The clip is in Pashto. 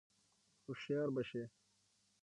هوښیار به شې !